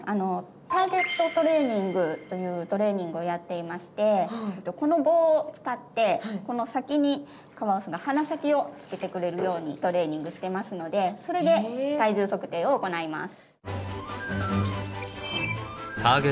ターゲットトレーニングというトレーニングをやっていましてこの棒を使ってこの先にカワウソが鼻先をつけてくれるようにトレーニングしてますのでそれで体重測定を行います。